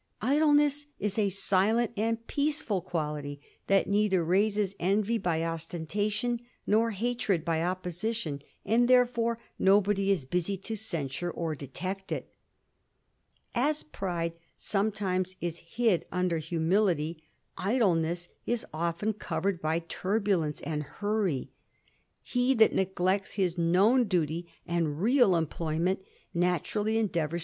Idleness is a silent and peaceful ^oality, that neither raises envy by ostentation, nor hatred ; oy opposition ; and therefore nobody is busy to censure or detect it As pride sometimes is hid under humility, idleness is often covered by turbulence and hurry. He that neglects i las known duty and real emplojnnent, naturally endeavours